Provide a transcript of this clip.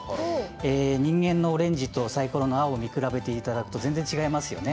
人間のオレンジとサイコロの青を見比べると全然、違いますよね。